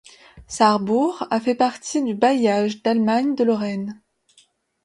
Sarrebourg a fait partie du bailliage d'Allemagne de Lorraine.